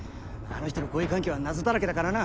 あの人の交友関係は謎だらけだからな。